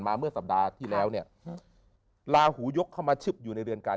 เมื่อสัปดาห์ที่แล้วเนี่ยลาหูยกเข้ามาชึบอยู่ในเรือนการ